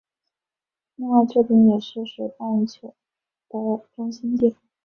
另外这边也是水半球的中心地。